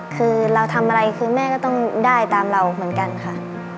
คือเราทำอะไรคือแม่ก็ต้องได้ตามเราเหมือนกันค่ะ